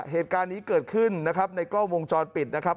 เหตุการณ์นี้เกิดขึ้นนะครับในกล้องวงจรปิดนะครับ